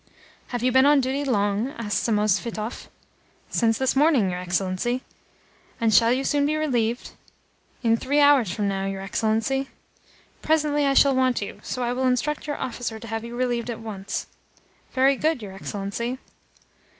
"Have you been on duty long?" asked Samosvitov. "Since this morning, your Excellency." "And shall you soon be relieved?" "In three hours from now, your Excellency." "Presently I shall want you, so I will instruct your officer to have you relieved at once." "Very good, your Excellency."